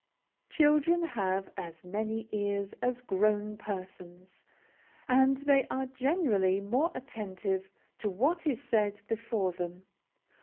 Children have as many ears as grown persons, and they are generally more attentive to what is said before them.